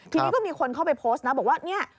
ทีนี้ก็มีคนเข้าไปโพสต์นะบอกว่าเนี่ย